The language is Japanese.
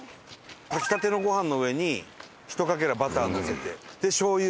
炊き立てのご飯の上にひとかけらバターのせて醤油。